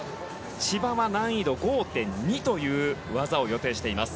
千葉は難易度５．２という技を予定しています。